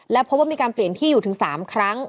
และพบว่ามีการเปลี่ยนที่อยู่ถึง๓ครั้ง